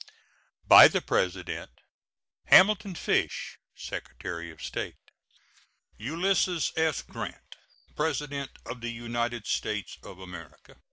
By the President: HAMILTON FISH, Secretary of State. ULYSSES S. GRANT, PRESIDENT OF THE UNITED STATES OF AMERICA.